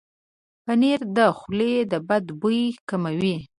پنېر د خولې د بد بوي کموي.